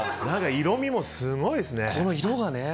色味もすごいですね。